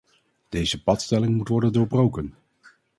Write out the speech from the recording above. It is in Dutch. Deze patstelling moet worden doorbroken.